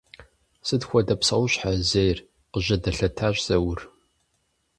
— Сыт хуэдэ псэущхьэ ар зейр? — къыжьэдэлъэтащ Заур.